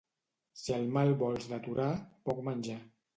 Si el mal vols deturar, poc menjar.